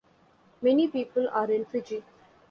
Many people are in Fiji.